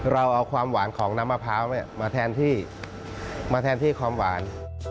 เราเอาความหวานของน้ำมะพร้าวมาแทนที่มาแทนที่ความหวาน